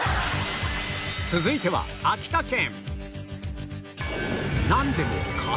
続いては秋田県